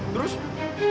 terus ngabur mbak orangnya